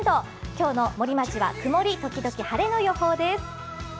今日の森町は曇りときどき晴れの予報です。